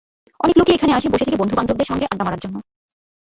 অনেক লোকই এখানে আসে বসে থেকে বন্ধুবান্ধবদের সঙ্গে আড্ডা মারার জন্য।